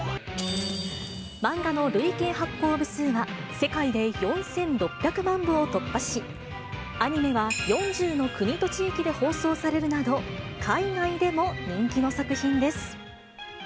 漫画の累計発行部数は、世界で４６００万部を突破し、アニメは４０の国と地域で放送されるなど、海外でも人気の作品です。